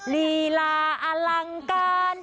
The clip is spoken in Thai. ลีลาอลังการ